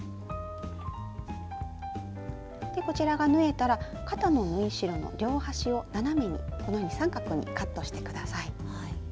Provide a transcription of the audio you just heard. こちらが縫えたら肩の縫い代の両端を斜めにこのように三角にカットして下さい。